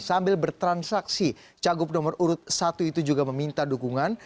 sambil bertransaksi cagup nomor urut satu itu juga meminta dukungan